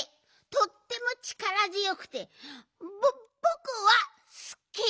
とってもちからづよくてぼぼくはすき！